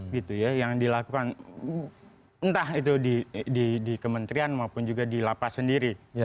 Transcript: gitu ya yang dilakukan entah itu di kementerian maupun juga di lapas sendiri